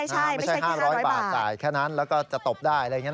ใช่ไม่ใช่๕๐๐บาทจ่ายแค่นั้นแล้วก็จะตบได้